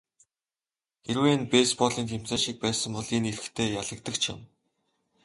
Хэрвээ энэ бейсболын тэмцээн шиг байсан бол энэ эрэгтэй ялагдагч юм.